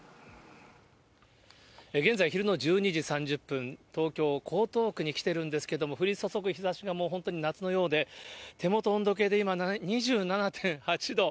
現在、昼の１２時３０分、東京・江東区に来てるんですけど、降り注ぐ日ざしがもう本当に夏のようで、手元の温度計で今、２７．８度。